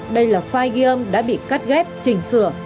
đây là file ghi âm đã bị cắt ghép chỉnh sửa